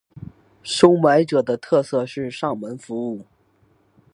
收买者的特色是上门服务。